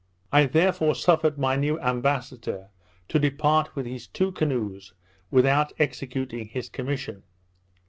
I therefore suffered my new ambassador to depart with his two canoes without executing his commission.